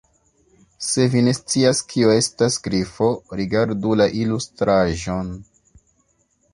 Se vi ne scias kio estas Grifo, rigardu la ilustraĵon.